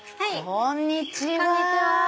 こんにちは。